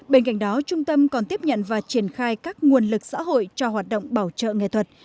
bên cạnh đó trung tâm còn tiếp nhận và triển khai các nguồn lực xã hội cho hoạt động bảo trợ nghệ thuật